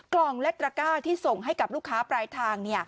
กล่องและตระก้าที่ส่งให้กับลูกค้าปลายทาง